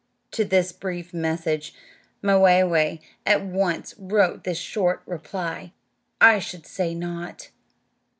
To this brief message Mwayway at once wrote this short reply: "I should say not."